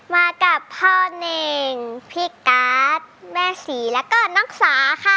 มากับพ่อเน่งพี่การ์ดแม่ศรีแล้วก็น้องสาค่ะ